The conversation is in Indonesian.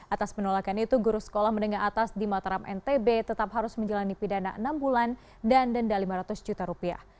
atas penolakan itu guru sekolah menengah atas di mataram ntb tetap harus menjalani pidana enam bulan dan denda lima ratus juta rupiah